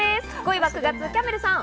５位は９月、キャンベルさん。